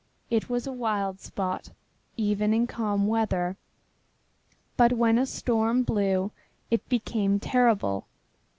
It was a wild spot, even in calm weather, but when a storm blew it became terrible.